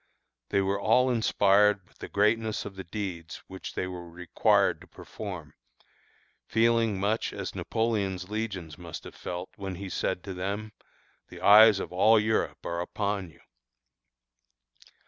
They were all inspired with the greatness of the deeds which they were required to perform, feeling much as Napoleon's legions must have felt, when he said to them: "The eyes of all Europe are upon you."